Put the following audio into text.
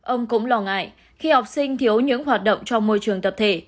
ông cũng lo ngại khi học sinh thiếu những hoạt động trong môi trường tập thể